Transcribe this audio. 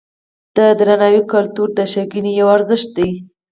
د درناوي کلتور د ښېګڼې یو ارزښت دی.